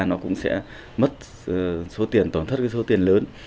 nó cũng sẽ mất số tiền tổn thất cái số tiền lớn